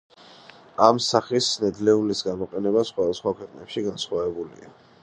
ამ სახის ნედლეულის გამოყენება სხვადასხვა ქვეყნებში განსხვავებულია.